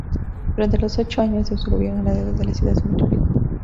Durante los ocho años de su gobierno, la deuda de la ciudad se multiplicó.